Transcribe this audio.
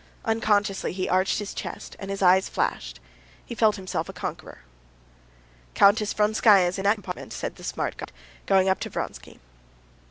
Unconsciously he arched his chest, and his eyes flashed. He felt himself a conqueror. "Countess Vronskaya is in that compartment," said the smart guard, going up to Vronsky.